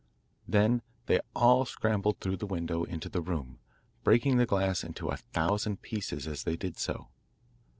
Then they all scrambled through the window into the room, breaking the glass into a thousand pieces as they did so.